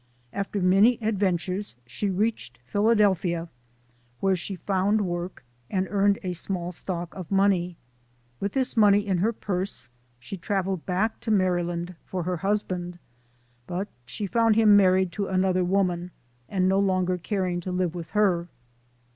After many ad ventures, she reached Philadelphia, where she found work and earned a small stock of money, ^ith this money in her purse, she traveled back to Mary land for her husband, but she found him married to another woman, and no longer caring to live with her.